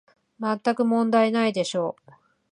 まったく問題ないでしょう